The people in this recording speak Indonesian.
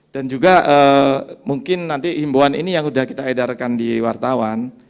dan juga mungkin nanti himbuan ini yang sudah kita edarkan di wartawan